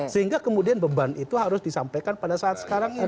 sehingga kemudian beban itu harus disampaikan pada saat sekarang ini